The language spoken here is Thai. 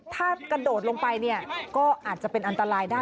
ถ้ากระโดดลงไปเนี่ยก็อาจจะเป็นอันตรายได้